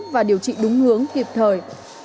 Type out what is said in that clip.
và điều trị đúng hướng kịp thời